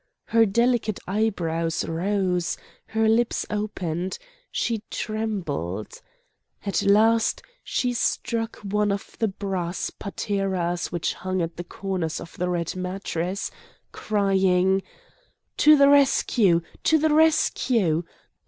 Her delicate eyebrows rose, her lips opened; she trembled. At last she struck one of the brass pateras which hung at the corners of the red mattress, crying: "To the rescue! to the rescue!